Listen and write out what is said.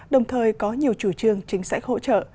đồng thời có nhiều chủ trương chính sách hỗ trợ